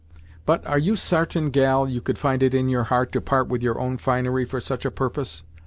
"But, are you sartain, gal, you could find it in your heart to part with your own finery for such a purpose?